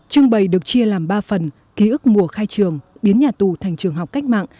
trưng bày được chia làm ba phần ký ức mùa khai trường biến nhà tù thành trường học cách mạng